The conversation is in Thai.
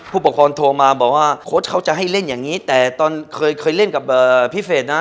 ผู้ปกครองโทรมาบอกว่าโค้ชเขาจะให้เล่นอย่างนี้แต่ตอนเคยเล่นกับพี่เฟสนะ